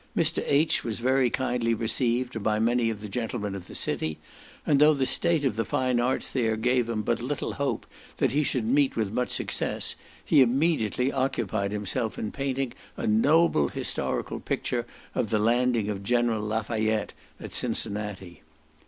Mr. H. was very kindly received by many of the gentlemen of the city, and though the state of the fine arts there gave him but little hope that he should meet with much success, he immediately occupied himself in painting a noble historical picture of the landing of General Lafayette at Cincinnati.